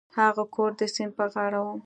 هغه کور د سیند په غاړه و.